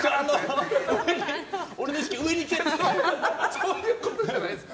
そういうことじゃないです。